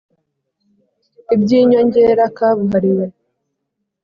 ibyinyongera kabuhariwe